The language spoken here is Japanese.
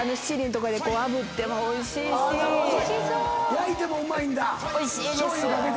焼いてもうまいんだ。